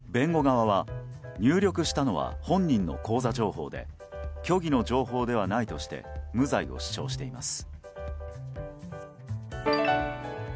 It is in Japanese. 一方、弁護側は入力したのは本人の口座情報で虚偽の情報ではないとして無罪を主張しています。